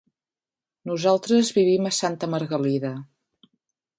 Nosaltres vivim a Santa Margalida.